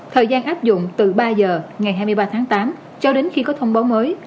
thời gian áp dụng từ ba giờ ngày hai mươi ba tháng tám cho đến khi có thông báo mới